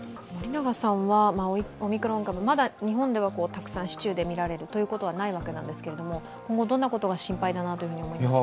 オミクロン株、まだ日本では市中で見られることはないんですけど今後どんなことが心配だなと思いますか？